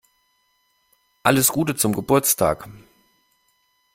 Alles Gute zum Geburtstag!